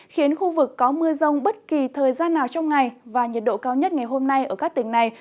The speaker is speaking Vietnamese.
khiến khu vực có mưa rông bất kỳ thời gian nào trong ngày và nhiệt độ cao nhất ngày hôm nay ở các tỉnh này